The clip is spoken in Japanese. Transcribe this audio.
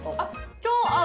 超合う。